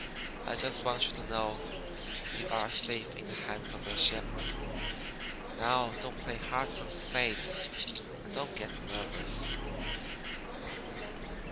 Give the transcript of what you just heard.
I just want you to know you are safe in the hands of your shepherd. Now, don't play hearts on spades, and don't get nervous.'